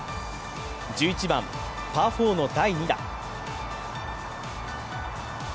１１番パー４の第２打。